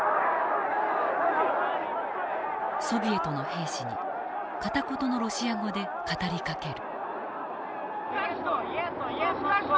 ソビエトの兵士に片言のロシア語で語りかける。